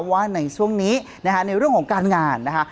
ว่าในช่วงนี้นะคะในเรื่องของการงานนะคะ